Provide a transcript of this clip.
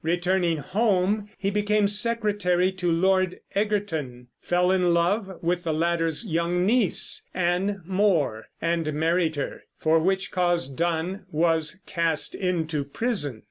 Returning home, he became secretary to Lord Egerton, fell in love with the latter's young niece, Anne More, and married her; for which cause Donne was cast into prison.